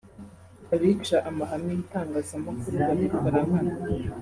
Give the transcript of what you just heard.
Abica amahame y’itangazamakuru babikora nkana